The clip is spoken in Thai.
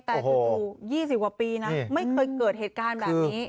แต่จู่๒๐กว่าปีนะไม่เคยเกิดเหตุการณ์แบบนี้